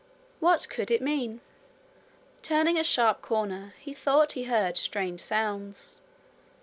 What could it mean? Turning a sharp corner, he thought he heard strange sounds.